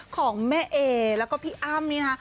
ของแม่เอแล้วก็พี่อ้ำ